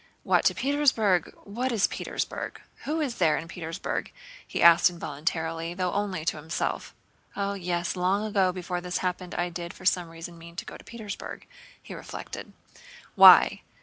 "What, to Petersburg? What is Petersburg? Who is there in Petersburg?" he asked involuntarily, though only to himself. "Oh, yes, long ago before this happened I did for some reason mean to go to Petersburg," he reflected. "Why?